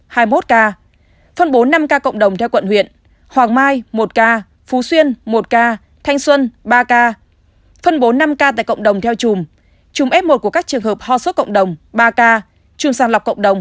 hãy đăng ký kênh để ủng hộ kênh của chúng mình nhé